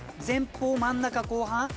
前方真ん中後半？